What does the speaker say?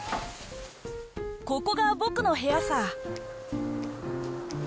ここが僕の部屋さ。